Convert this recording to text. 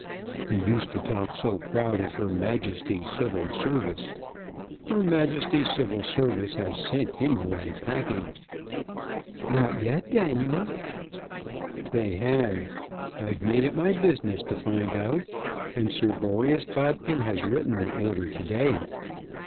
He used to talk so proud of Her Majesty's Civil Service. Her Majesty's Civil Service has sent him away packing." "Not yet, Daniel." "They have. I've made it my business to find out, and Sir Boreas Bodkin has written the order to day.